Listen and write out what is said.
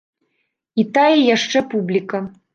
І тая яшчэ публіка.